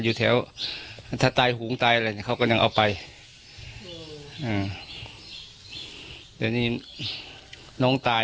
อยู่แถวถ้าตายหูงตายอะไรเนี้ยเขาก็ยังเอาไปอืมเดี๋ยวนี้น้องตาย